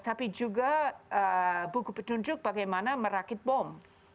tapi juga buku petunjuk bagaimana merakit bom